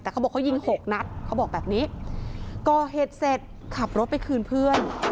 แต่เขาบอกเขายิงหกนัดเขาบอกแบบนี้ก่อเหตุเสร็จขับรถไปคืนเพื่อน